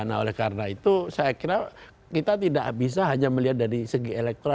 nah oleh karena itu saya kira kita tidak bisa hanya melihat dari segi elektoral